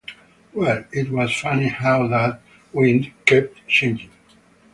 Well, it was funny how that wind kept changing.